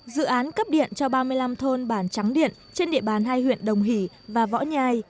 dự án cấp điện cho ba mươi năm thôn bản trắng điện trên địa bàn hai huyện đồng hỷ và võ nhai